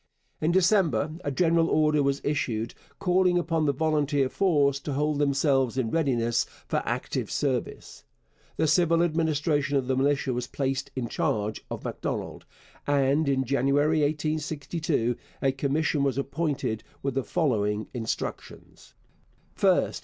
In December a general order was issued calling upon the volunteer force to hold themselves in readiness for active service. The civil administration of the militia was placed in charge of Macdonald, and in January 1862 a commission was appointed with the following instructions: 1st.